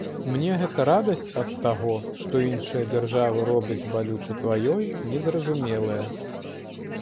Мне гэтая радасць ад таго, што іншая дзяржава робіць балюча тваёй, не зразумелая.